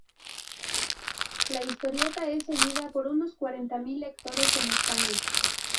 La historieta es seguida por unos cuarenta mil lectores en España.